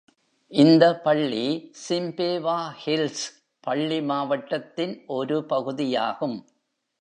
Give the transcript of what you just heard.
இந்த பள்ளி Chippewa Hills பள்ளி மாவட்டத்தின் ஒரு பகுதியாகும்.